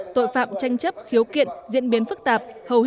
tội phạm tranh chấp khiếu kiện diễn biến phức tạp